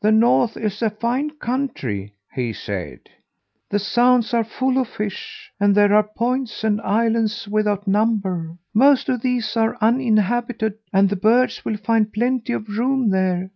"'The North is a fine country,' he said. 'The sounds are full of fish, and there are points and islands without number. Most of these are uninhabited, and the birds will find plenty of room there.